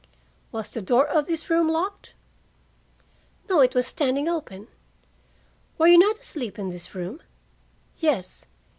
"Was the door of this room locked?" "No. It was standing open." "Were you not asleep in this room?" "Yes."